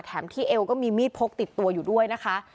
ที่เอวก็มีมีดพกติดตัวอยู่ด้วยนะคะ